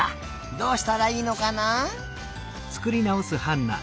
どうしたらいいのかな？